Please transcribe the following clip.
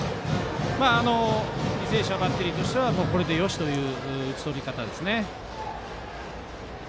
履正社のバッテリーとしてはこれでよしという打ち取り方ですね。